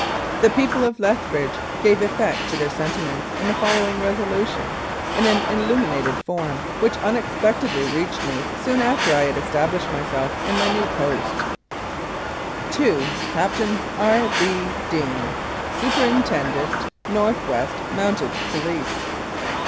The people of Lethbridge gave effect to their sentiments in the following resolution, in an illuminated form, which unexpectedly reached me soon after I had established myself in my new post : "To "CAPTAIN R. B. DEANE, "Superintendent, N.W. Mounted Police.